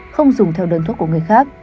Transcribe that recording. không dùng theo đơn thuốc của người khác